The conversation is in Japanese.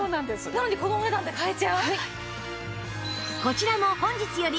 なのにこのお値段で買えちゃう。